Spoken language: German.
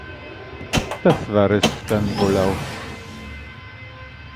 Das war es dann wohl auch.